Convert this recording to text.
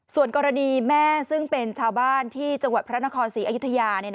ส่วนกรณีแม่ซึ่งเป็นชาวบ้านที่จังหวัดพระนครศรีอยุธยา